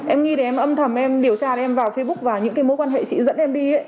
em nghĩ thì em âm thầm em điều tra em vào facebook và những cái mối quan hệ chị dẫn em đi